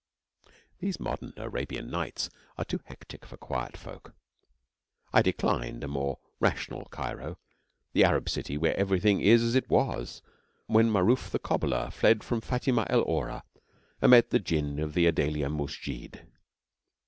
These modern 'Arabian Nights' are too hectic for quiet folk. I declined upon a more rational Cairo the Arab city where everything is as it was when Maruf the Cobbler fled from Fatima el Orra and met the djinn in the Adelia Musjid.